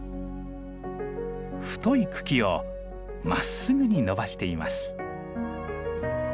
太い茎をまっすぐに伸ばしています。